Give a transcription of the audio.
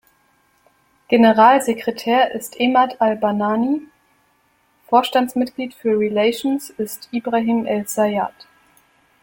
Generalsekretär ist Emad Al-Banani; Vorstandsmitglied für „Relations“ ist Ibrahim El-Zayat.